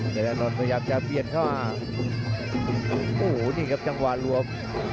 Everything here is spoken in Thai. ยาดานนท์พยายามจะเบียดเข้ามาโอ้โหนี่ครับจังหวะลวม